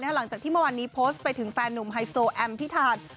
หลังจากที่เมื่อวานนี้โพสต์ไปถึงแฟนนุ่มไฮโซแอมพิธาน